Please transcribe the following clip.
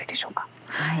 はい。